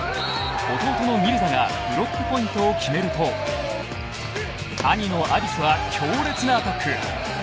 弟のミルザがブロックポイントを決めると兄は強烈なアタック。